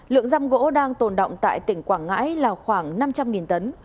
lượng răm gỗ đang tồn động tại tỉnh quảng ngãi là khoảng năm trăm linh tấn